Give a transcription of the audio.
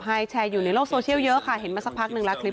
แชร์อยู่ในโลกโซเชียลเยอะค่ะเห็นมาสักพักนึงแล้วคลิป